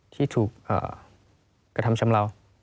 ที่ถูกกระทำชำเลา